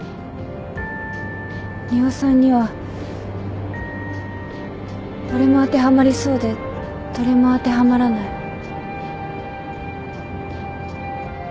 仁和さんにはどれも当てはまりそうでどれも当てはまらない。